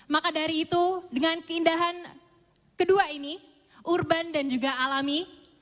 maka dari itu dengan keindahan kedua ini urban dan juga alami